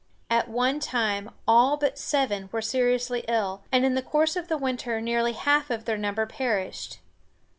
At one time all but seven were seriously ill, and in the course of the winter nearly half of their number perished.